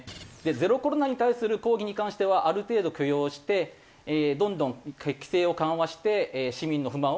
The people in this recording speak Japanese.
ゼロコロナに対する抗議に関してはある程度許容してどんどん規制を緩和して市民の不満をガス抜きしていく。